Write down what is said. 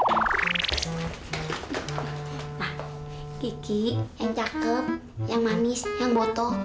nah kiki yang cakep yang manis yang botoh